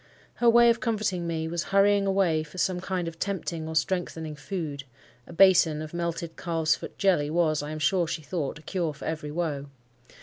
Her way of comforting me was hurrying away for some kind of tempting or strengthening food—a basin of melted calves foot jelly was, I am sure she thought, a cure for every woe.